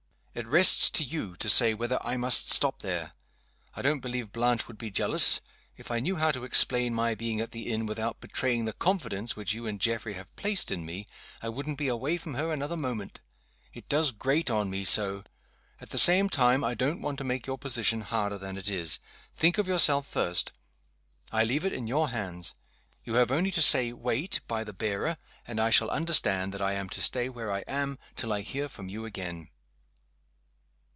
It rests with you to say whether I must stop there. I don't believe Blanche would be jealous. If I knew how to explain my being at the inn without betraying the confidence which you and Geoffrey have placed in me, I wouldn't be away from her another moment. It does grate on me so! At the same time, I don't want to make your position harder than it is. Think of yourself first. I leave it in your hands. You have only to say, Wait, by the bearer and I shall understand that I am to stay where I am till I hear from you again."